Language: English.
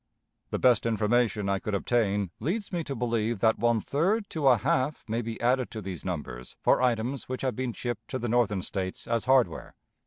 The best information I could obtain leads me to believe that one third to a half may be added to these numbers for items which have been shipped to the Northern States as hardware